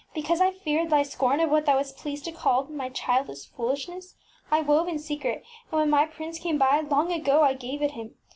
Because I feared thy scorn of what thou wast pleased to call my childish foolishness, I wove in secret, and when my prince came by, long ago I gave it him.